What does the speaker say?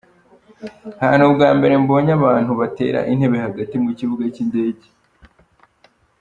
hhhh ni ubwa mbere mbonye abantu batera intebe hagati mu kibuga cy’indege!.